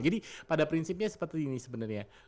jadi pada prinsipnya seperti ini sebenarnya